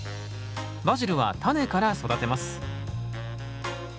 バジルはタネから育てます。